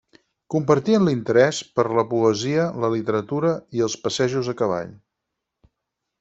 Compartien l'interès per la poesia, la literatura i els passejos a cavall.